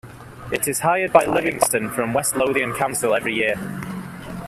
It is hired by Livingston from West Lothian Council every year.